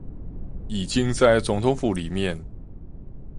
已經在總統府裡面